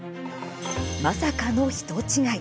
まさかの人違い。